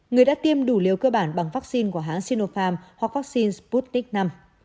người đã tiêm đủ liều cơ bản bằng vaccine của hãng sinopharm hoặc vaccine sputnik v